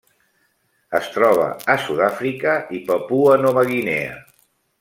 Es troba a Sud-àfrica i Papua Nova Guinea.